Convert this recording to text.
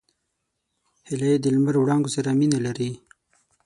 هیلۍ د لمر وړانګو سره مینه لري